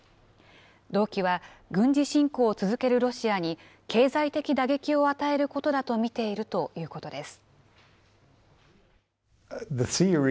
動機は、軍事侵攻を続けるロシアに経済的打撃を与えることだと見ているということです。